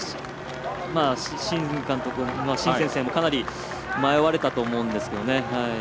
新先生もかなり迷われたと思うんですよね。